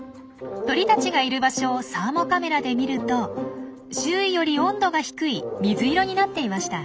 鳥たちがいる場所をサーモカメラで見ると周囲より温度が低い水色になっていました。